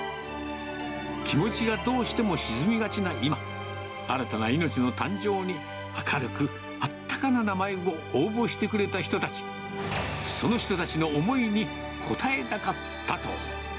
気持ちがどうしても沈みがちな今、新たな命の誕生に、明るく、あったかな名前を応募してくれた人たち、その人たちの思いに応えたかったと。